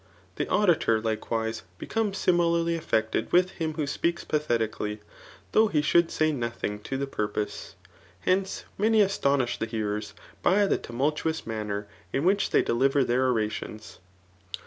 * The auditor, likewise, becomes similarly affected with him who speaks pathetically, though he should say nothing to the purpose. Hence, many astonish the hearers, by the tuipultuous manner in which they deliver their ora tions.